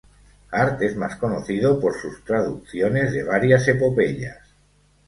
Hart es más conocido por sus traducciones de varias epopeyas.